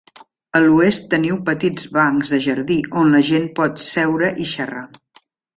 A l'oest teniu petits bancs de jardí on la gent pot seure i xerrar.